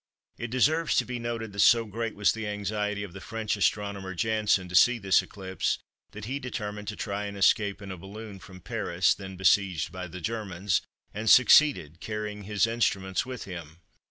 It deserves to be noted that so great was the anxiety of the French astronomer Janssen to see this eclipse, that he determined to try and escape in a balloon from Paris (then besieged by the Germans) and succeeded, carrying his instruments with him.